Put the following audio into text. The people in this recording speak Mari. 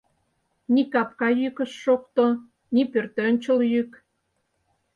Ни капка йӱк ыш шокто, ни пӧртӧнчыл йӱк.